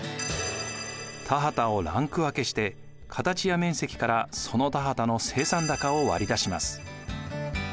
田畑をランク分けして形や面積からその田畑の生産高を割り出します。